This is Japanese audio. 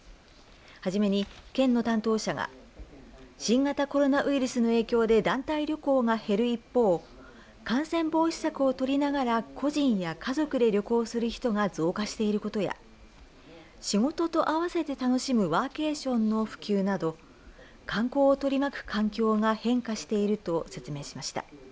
はじめに、県の担当者が新型コロナウイルスの影響で団体旅行が減る一方感染防止策を取りながら個人や家族で旅行する人が増加していることや仕事と合わせて楽しむワーケーションの普及など観光を取り巻く環境が変化していると説明しました。